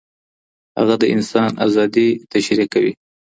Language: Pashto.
هغه د انسان ازادي تشريح کوي.